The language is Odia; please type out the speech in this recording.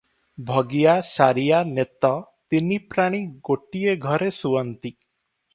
ଭଗିଆ, ସାରିଆ, ନେତ ତିନି ପ୍ରାଣୀ ଗୋଟିଏ ଘରେ ଶୁଅନ୍ତି ।